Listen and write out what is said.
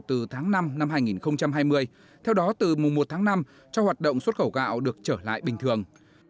từ tháng năm năm hai nghìn hai mươi theo đó từ mùa một tháng năm cho hoạt động xuất khẩu gạo được trở lại bình thường